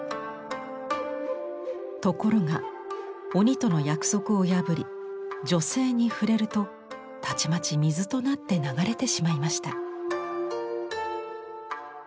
ところが鬼との約束を破り女性に触れるとたちまち水となって流れてしまいました。